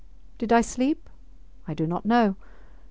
Did I sleep? I do not know.